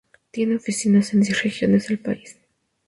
Tiene oficinas en diez regiones del país.